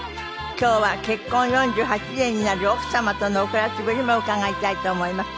今日は結婚４８年になる奥様とのお暮らしぶりも伺いたいと思います。